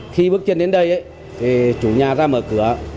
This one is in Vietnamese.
khi bước chân đến đây thì chủ nhà ra mở cửa